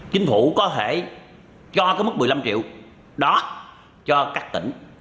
chính phủ có thể cho cái mức một mươi năm triệu đó cho các tỉnh